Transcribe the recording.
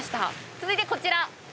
続いてこちら。